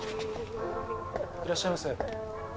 いらっしゃいませ。